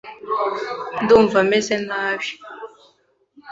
Ndumva meze nabi .